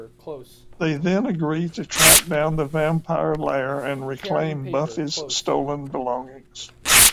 They then agree to track down the vampire lair and reclaim Buffy's stolen belongings.